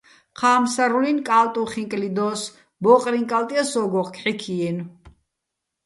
ჴა́ჼფსარლუჲნი̆ კა́ლტუჼ ხინკლი დო́ს, ბო́ყრიჼ კალტ ჲა სო́გო ქჵექჲიენო̆.